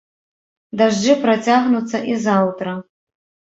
Дажджы працягнуцца і заўтра.